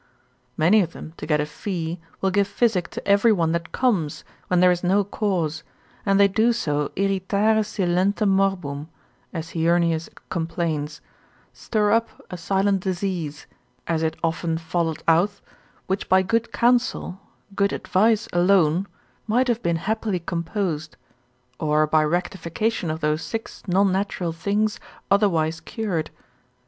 Many of them, to get a fee, will give physic to every one that comes, when there is no cause, and they do so irritare silentem morbum, as Heurnius complains, stir up a silent disease, as it often falleth out, which by good counsel, good advice alone, might have been happily composed, or by rectification of those six non natural things otherwise cured.